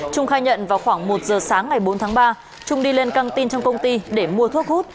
trung khai nhận vào khoảng một giờ sáng ngày bốn tháng ba trung đi lên căng tin trong công ty để mua thuốc hút